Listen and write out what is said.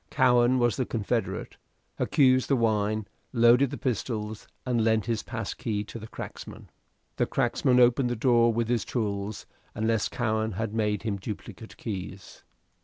Cowen was the confederate, hocussed the wine, loaded the pistols, and lent his pass key to the cracksman. The cracksman opened the door with his tools, unless Cowen made him duplicate keys.